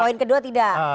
poin kedua tidak